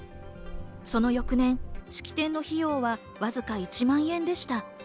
その翌年、式典の費用はわずか１万円でした。